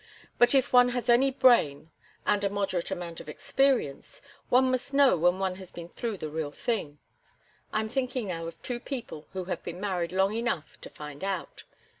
But if one has any brain and a moderate amount of experience, one must know when one has been through the real thing. I am thinking now of two people who have been married long enough to find out.